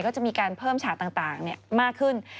ก็จะมีการเพิ่มฉากต่างมากขึ้น